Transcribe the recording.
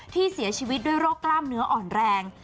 ที่เสียชีวิตด้วยโรคกล้ามเนื้ออ่อนแรง